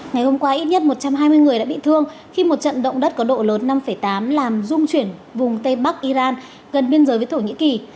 ngày hôm qua ít nhất một trăm hai mươi người đã bị thương khi một trận động đất có độ lớn năm tám làm dung chuyển vùng tây bắc iran gần biên giới với thổ nhĩ kỳ